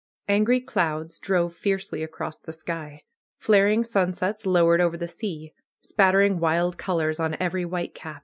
Angry clouds drove fiercely across the sky. Flaring sunsets lowered over the sea, spattering wild colors on every white cap.